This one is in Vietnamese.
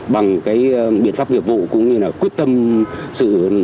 bằng biện pháp nghiệp vụ cũng như quyết tâm sự